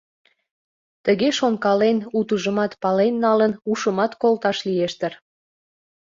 Тыге шонкален, утыжымат пален налын, ушымат колташ лиеш дыр.